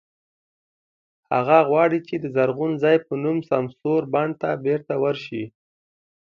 هغه غواړي چې د "زرغون ځای" په نوم سمسور بڼ ته بېرته ورشي.